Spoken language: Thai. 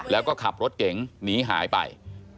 แล้วก็ขับรถเก๋งหนีหายไป